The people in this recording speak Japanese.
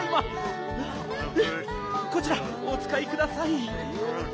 こちらおつかいください。